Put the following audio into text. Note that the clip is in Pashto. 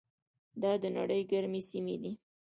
دا د نړۍ ګرمې سیمې دي.